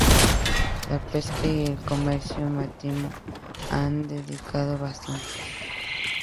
La pesca y el comercio marítimo han descendido bastante.